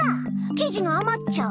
生地があまっちゃう。